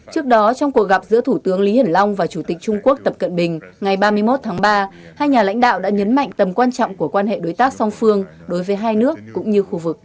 trước đó trong cuộc gặp giữa thủ tướng lý hiển long và chủ tịch trung quốc tập cận bình ngày ba mươi một tháng ba hai nhà lãnh đạo đã nhấn mạnh tầm quan trọng của quan hệ đối tác song phương đối với hai nước cũng như khu vực